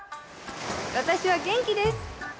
私は元気です！」。